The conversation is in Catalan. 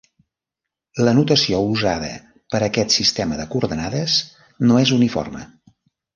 La notació usada per aquest sistema de coordenades no és uniforme.